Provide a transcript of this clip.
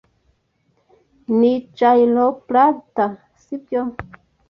ni chiropractor, sibyo?